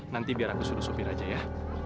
nanti biar aku sudut supir aja ya